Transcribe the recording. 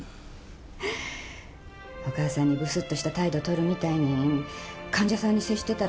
お母さんにブスッとした態度取るみたいに患者さんに接してたら。